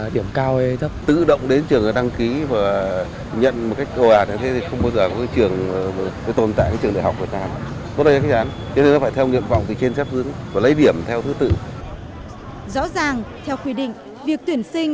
rõ ràng theo quy định việc tuyển sinh